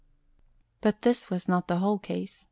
But this was not the whole case.